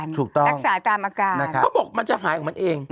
ถูกต้องรักษาตามอาการเขาบอกมันจะหายของมันเอง